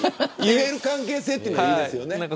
言える関係性っていいですよね。